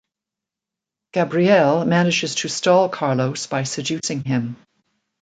Gabrielle manages to stall Carlos by seducing him.